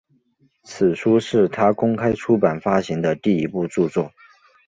此书是他公开出版发行的第一部着作。